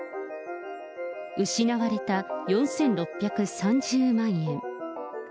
失われた４６３０万円。